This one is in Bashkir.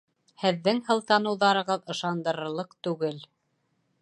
Һеҙҙең һылтаныуҙарығыҙ ышандырырлыҡ түгел